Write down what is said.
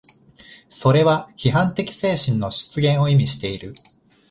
それは批判的精神の出現を意味している。